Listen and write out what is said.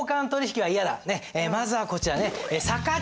まずはこちらね。